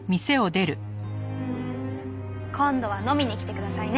今度は飲みに来てくださいね。